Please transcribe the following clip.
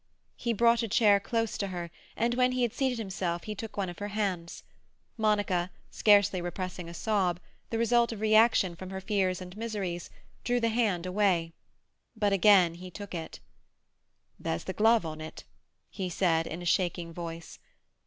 He brought a chair close to her, and when he had seated himself he took one of her hands. Monica, scarcely repressing a sob, the result of reaction from her fears and miseries, drew the hand away. But again he took it. "There's the glove on it," he said in a shaking voice.